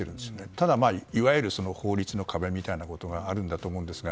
ただ、いわゆる法律の壁みたいなことがあるんだと思うんですが